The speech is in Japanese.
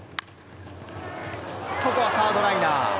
ここはサードライナー。